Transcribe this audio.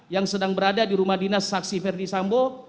yang sedang berada di rumah dinas saksi verdi sambo